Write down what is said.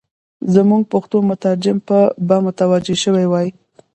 زموږ پښتو مترجم به متوجه شوی وای.